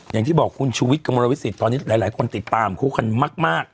อย่างที่บอกคุณชูวิทย์กระมวลวิสิตตอนนี้หลายคนติดตามคู่กันมาก